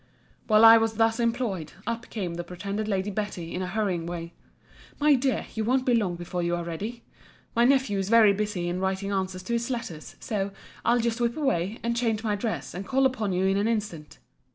While I was thus employed, up came the pretended Lady Betty, in a hurrying way——My dear, you won't be long before you are ready. My nephew is very busy in writing answers to his letters: so, I'll just whip away, and change my dress, and call upon you in an instant.